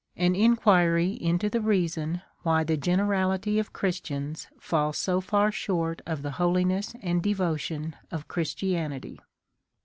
All Inquiry into the Reason why the generality of Christians fall so far short of the Holiness and £)e votion of Christianity.